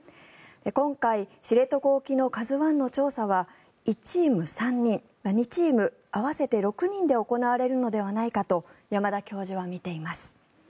今回、知床沖の「ＫＡＺＵ１」の調査は１チーム３人２チーム合わせて６人で行われるのではないかと山田教授は見ています。